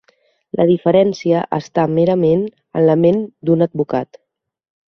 La diferència està merament en la ment d'un advocat.